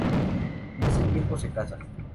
En este tiempo se casa.